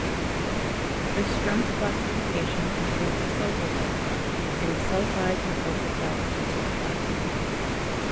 The Strunz classification includes the sulfosalts in a "sulfides and sulfosalts" superclass.